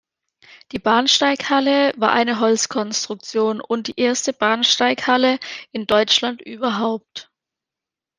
Die Bahnsteighalle war eine Holzkonstruktion und die erste Bahnsteighalle in Deutschland überhaupt.